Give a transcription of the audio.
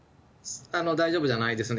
大丈夫じゃないですね。